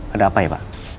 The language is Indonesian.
ada apa ya pa